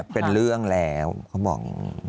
เป็นเรื่องแล้วเขาบอก